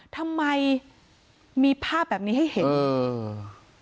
ทำไมมีภาพแบบนี้ให้เห็นเออ